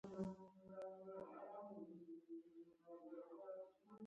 چاغ سړي ميرويس خان او د هغه ملګرو ته کلکه غېږ ورکړه.